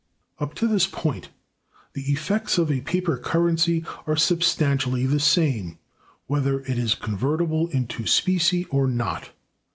Up to this point the effects of a paper currency are substantially the same, whether it is convertible into specie or not.